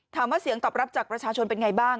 ถามว่าเสียงตอบรับจากประชาชนเป็นไงบ้าง